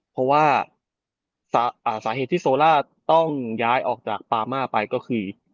เพราะว่าสาเหตุที่โซล่าต้องย้ายออกจากปามาไปก็คือ